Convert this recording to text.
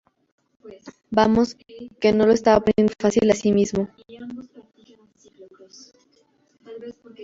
Vamos, que no se lo estaba poniendo fácil a sí mismo.